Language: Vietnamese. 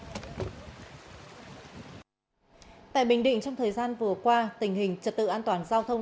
tại bình định trong thời gian vừa qua tình hình trật tự an toàn giao thông